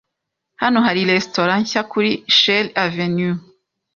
Hano hari resitora nshya kuri Cherry Avenue.